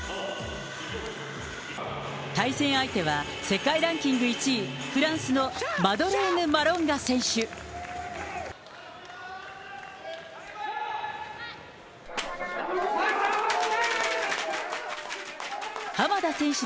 対戦相手は、世界ランキング１位、フランスのマドレーヌ・マロンガ選手。